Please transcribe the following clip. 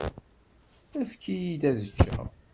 Efk-iyi-d ad ččeɣ.